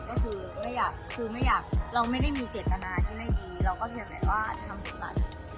แบบเราไม่ได้มีจริงที่ทำดีแล้วก็เรียกไงว่าทำตำรวจกลับป่าว